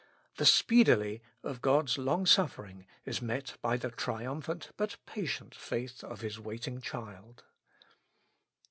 The speedily of God's long suffering is met by the triumphant but patient faith of His waiting child.